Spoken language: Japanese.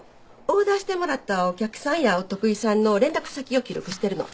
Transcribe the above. オーダーしてもらったお客さんやお得意さんの連絡先を記録してるの。